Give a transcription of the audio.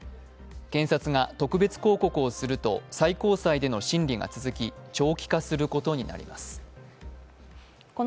検察が特別抗告をすると最高裁での審理が続き長期化することになります。